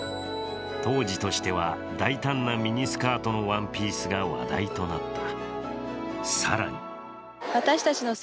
当時としては大胆なミニスカートのワンピースが話題となった。